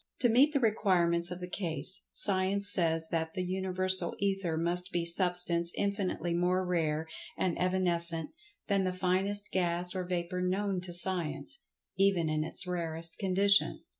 To meet the requirements of the case, Science says that The Universal Ether must be Substance infinitely more rare and evanescent than the finest gas or vapor known to Science, even in its rarest condition.